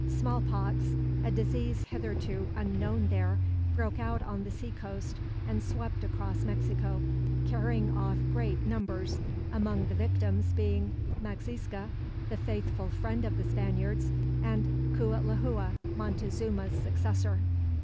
Smallpox, a disease hitherto unknown there, broke out on the seacoast and swept across Mexico, carrying off great numbers among the victims being Maxixca, the faithful friend of the Spaniards; and Cuitlahua, Montezuma's successor.